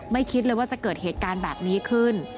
คิดเลยว่าจะเกิดเหตุการณ์แบบนี้ขึ้น